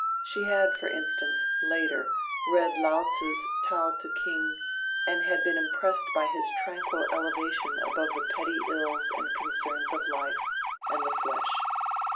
She had, for instance, later, read Laotze's Tao teh king, and been impressed by his tranquil elevation above the petty ills and concerns of life and the flesh.